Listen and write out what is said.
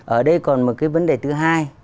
ở đây còn một cái vấn đề thứ hai